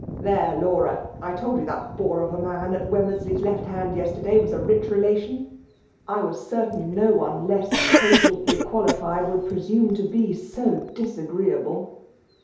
^ There, Laura ! I told you that bore of a 'nan at Wemmeraley*s left hand yesterday was '■a rich relation. I was certain no one less co gently qualified would presume to be so dif agreeable."